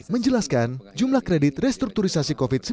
menjelaskan jumlah kredit yang diberikan oleh industri perbankan